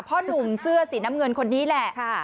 หนุ่มเสื้อสีน้ำเงินคนนี้แหละ